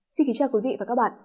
xin kính chào quý vị và các bạn